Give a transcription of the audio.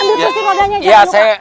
ambil kursi rodanya jangan luka